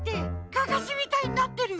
カカシみたいになってる！